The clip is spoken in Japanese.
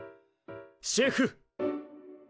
シェフ。